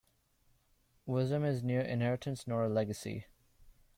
Wisdom is neither inheritance nor a legacy.